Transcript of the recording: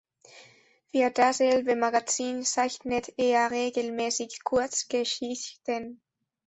Für dasselbe Magazin zeichnet er regelmäßig Kurzgeschichten.